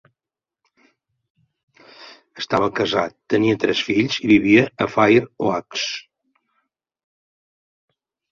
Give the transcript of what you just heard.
Estava casat, tenia tres fills i vivia a Fair Oaks.